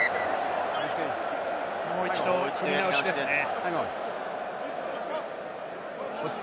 もう一度、組み直しですね。